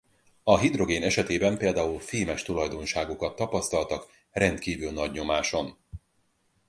A hidrogén esetében például fémes tulajdonságokat tapasztaltak rendkívül nagy nyomáson.